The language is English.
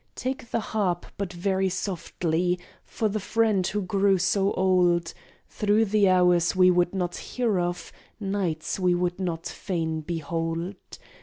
Take the harp, but very softly, for the friend who grew so old Through the hours we would not hear of nights we would not fain behold!